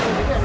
tidak ada pak